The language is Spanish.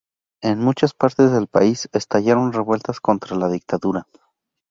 En muchas partes del país, estallaron revueltas contra la dictadura.